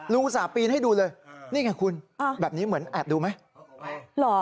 อุตส่าห์ปีนให้ดูเลยนี่ไงคุณแบบนี้เหมือนแอบดูไหม